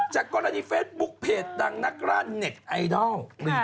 จากกรณีเฟซบุ๊คเพจดังนักร่านเน็ตไอดอล